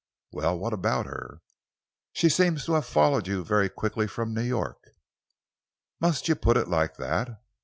"Well, what about her?" "She seems to have followed you very quickly from New York." "Must you put it like that?